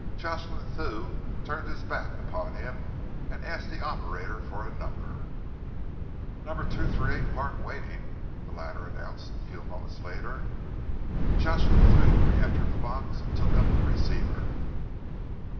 Jocelyn Thew turned his back upon him and asked the operator for a number. "Number 238 Park waiting," the latter announced, a few moments later. Jocelyn Thew reentered the box and took up the receiver.